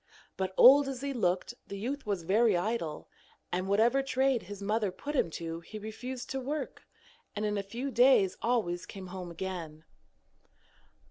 But, old as he looked, the youth was very idle, and whatever trade his mother put him to he refused to work, and in a few days always came home again.